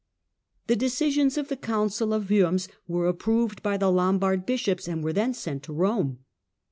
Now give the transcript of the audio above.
'" The decisions of the Council of Worms were approved by the Lombard bishops and were then sent to Rome.